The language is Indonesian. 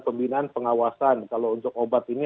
pembinaan pengawasan kalau untuk obat ini